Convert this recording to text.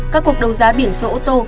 các cuộc đấu giá biển số ô tô